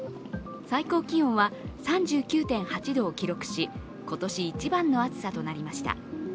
最高気温は３９．８度を記録し、今年一番の暑さとなりました。